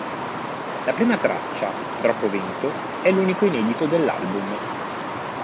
La prima traccia, Troppo vento è l'unico inedito dell'album.